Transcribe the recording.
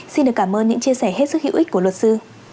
xin được cảm ơn những chia sẻ hết sức hữu ích của luật sư